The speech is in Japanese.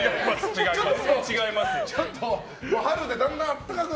違います！